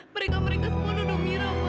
mereka mereka semua duduk mira ma